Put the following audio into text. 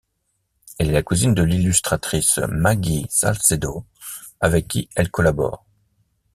Elle est la cousine de l'illustratrice Maggie Salcedo avec qui elle collabore.